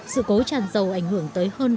sự cố chăn dầu ảnh hưởng tới hơn